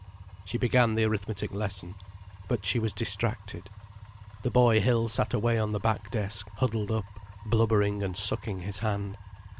She began the arithmetic lesson. But she was distracted. The boy Hill sat away on the back desk, huddled up, blubbering and sucking his hand.